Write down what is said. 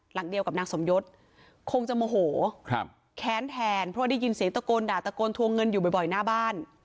หลังเดียวกับนางสมยศคงจะโมโหครับแค้นแทนเพราะได้ยินเสียงตะโกนด่าตะโกนทวงเงินอยู่บ่อยหน้าบ้าน